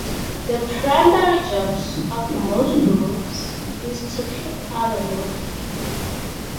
The primary job of most roofs is to keep out water.